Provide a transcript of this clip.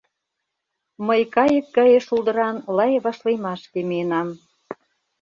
Мый кайык гае шулдыран Лай вашлиймашке миенам.